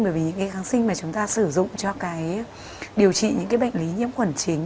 bởi vì những kháng sinh mà chúng ta sử dụng cho điều trị những bệnh lý nhiễm khuẩn chính